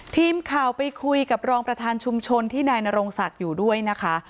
ทีมข่าวไปคุยกับรองประธานชุมชนที่นายนรงศักดิ์อยู่ด้วยนะคะ